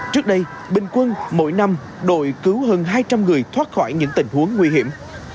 trước đây bình quân mỗi năm đội cứu hơn hai trăm linh người thoát khỏi những tình huống nguy hiểm